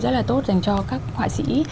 rất là tốt dành cho các họa sĩ